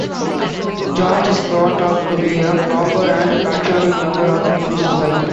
George is brought up to be a proper and patriotic member of English society.